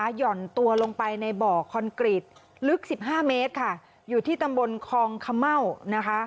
ห่อนตัวลงไปในบ่อคอนกรีตลึกสิบห้าเมตรค่ะอยู่ที่ตำบลคองเขม่านะคะ